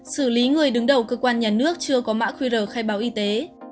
xử lý người đứng đầu cơ quan nhà nước chưa có mã khuy rời khai báo y tế